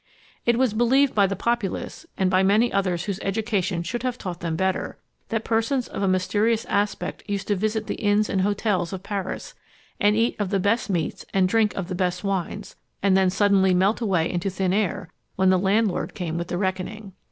It was believed by the populace, and by many others whose education should have taught them better, that persons of a mysterious aspect used to visit the inns and hotels of Paris, and eat of the best meats and drink of the best wines, and then suddenly melt away into thin air when the landlord came with the reckoning.